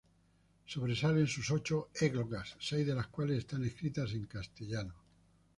Sobresalen sus ocho "Églogas", seis de las cuales están escritas en castellano.